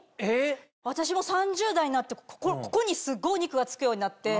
私も３０代になってここにすごいお肉がつくようになって。